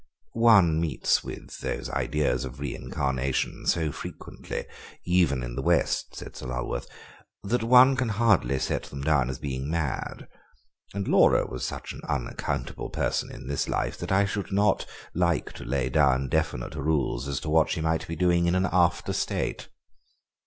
"One meets with those ideas of reincarnation so frequently, even in the West," said Sir Lulworth, "that one can hardly set them down as being mad. And Laura was such an unaccountable person in this life that I should not like to lay down definite rules as to what she might be doing in an after state."